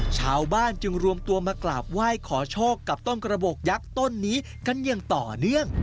ชาวบ้านจึงรวมตัวมากราบไหว้ขอโชคกับต้นกระบอกยักษ์ต้นนี้กันอย่างต่อเนื่อง